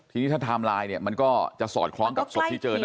ที่นี่ถ้าทำลายเนี่ยมันก็จะสอดคล้องกับศพที่เจอนะวันนี้